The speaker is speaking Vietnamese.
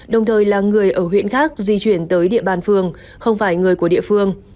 đồng thời là người ở huyện khác di chuyển tới địa bàn phường không phải người của địa phương